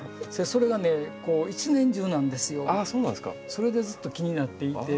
それでずっと気になっていて。